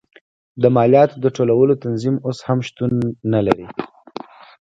د مالیاتو د ټولولو تنظیم اوس هم شتون نه لري.